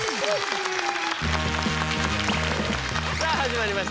さあ始まりました